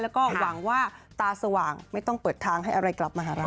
แล้วก็หวังว่าตาสว่างไม่ต้องเปิดทางให้อะไรกลับมาหาเรา